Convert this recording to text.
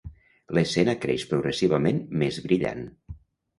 L'escena creix progressivament més brillant.